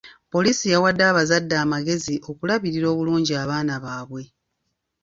Poliisi yawadde abazadde amagezi okulabirira obulungi abaana baabwe.